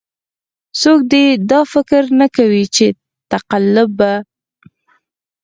څوک دې دا فکر نه کوي چې تقلب به.